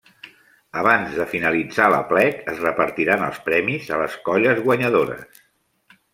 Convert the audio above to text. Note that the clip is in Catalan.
Abans de finalitzar l'aplec es repartiran els premis a les colles guanyadores.